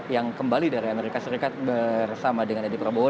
yang kembali dari as bersama dengan edi prabowo